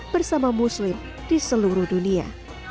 bersama muslim di seluruh dunia